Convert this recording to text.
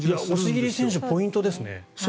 押切選手ポイントですね。